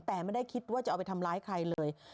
แต่ไม่ได้คิดว่าจะเอาไปทำร้ายใครเลย